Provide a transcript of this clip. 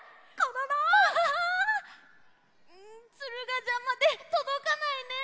んツルがじゃまでとどかないね。